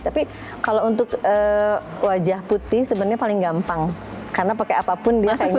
tapi kalau untuk wajah putih sebenarnya paling gampang karena pakai apapun biasanya